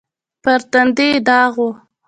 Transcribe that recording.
پر تندي يې داغ و.